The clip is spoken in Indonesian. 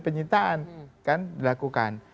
penyitaan kan dilakukan